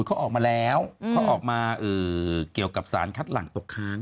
เขาออกมาแล้วเขาออกมาเกี่ยวกับสารคัดหลังตกค้าง